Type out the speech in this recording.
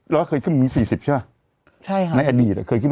เราเคยมี๔๐ใช่ไหมในอดีตอ่ะ